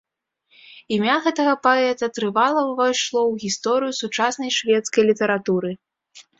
Імя гэтага паэта трывала ўвайшло ў гісторыю сучаснай шведскай літаратуры.